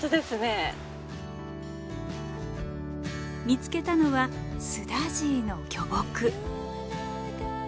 見つけたのはスダジイの巨木。